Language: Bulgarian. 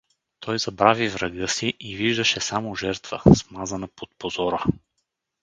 Той забрави врага си и виждаше само жертва, смазана под позора.